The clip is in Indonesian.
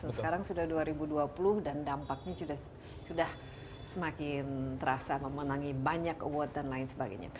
sekarang sudah dua ribu dua puluh dan dampaknya sudah semakin terasa memenangi banyak award dan lain sebagainya